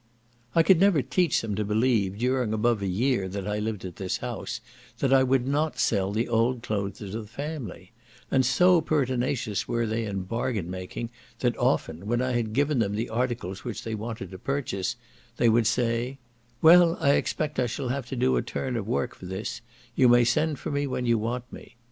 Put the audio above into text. I could never teach them to believe, during above a year that I lived at this house, that I would not sell the old clothes of the family; and so pertinacious were they in bargain making, that often, when I had given them the articles which they wanted to purchase, they would say, "Well, I expect I shall have to do a turn of work for this; you may send for me when you want me."